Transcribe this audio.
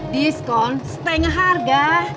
diskon setengah harga